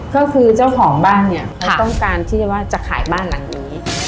ก็คือเจ้าของบ้านเนี่ยเขาต้องการที่จะว่าจะขายบ้านหลังนี้